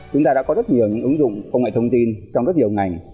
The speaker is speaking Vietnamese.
chúng ta đã có rất nhiều những ứng dụng công nghệ thông tin trong rất nhiều ngành